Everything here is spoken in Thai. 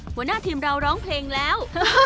หัวหน้าทีมเราร้องเพลงแล้ว